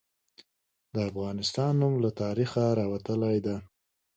د افغانستان نوم له تاریخه راوتلي ده.